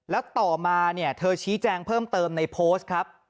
แล้วต่อมาเนี่ยเธอชี้แจงเพิ่มเติมในโพสต์ครับ